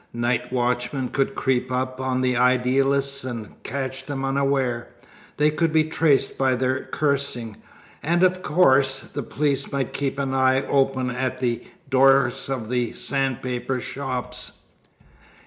Night watchmen could creep up on the idealists and catch them unaware. They could be traced by their cursing. And, of course, the police might keep an eye open at the doors of the sandpaper shops.